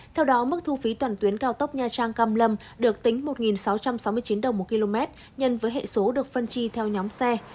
theo đó mức thu phí toàn tuyến cao tốc nha trang cam lâm được tính một sáu trăm sáu mươi chín đồng một km nhân với hệ số được phân tri theo nhóm xe